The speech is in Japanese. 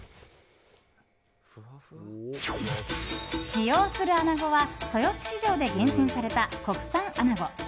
使用する穴子は豊洲市場で厳選された国産穴子。